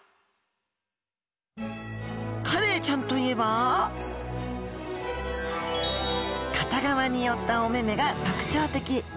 カレイちゃんといえば片側に寄ったお目々が特徴的。